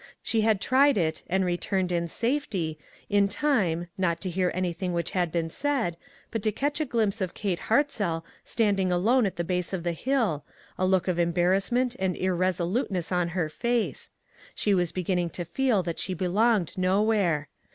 She had tried it, and returned in safety, in time, not to hear anything which had been said, but to catch a glimpse of Kate Hiirtzell standing alone at the base of the hill, a look of embarrassment and irreso luteness on her face ; she was beginning to feel that she belonged nowhere.